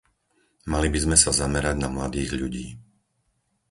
Mali by sme sa zamerať na mladých ľudí.